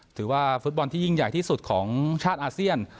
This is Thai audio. ฟุตบอลที่ยิ่งใหญ่ที่สุดของชาติอาเซียน